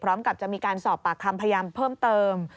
พร้อมกับจะมีการสอบปากคำพยายามเพิ่มเติม